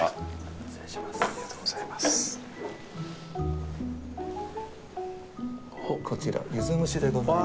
失礼します。